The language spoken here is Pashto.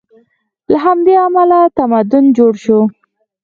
له همدې امله تمدن جوړ شو.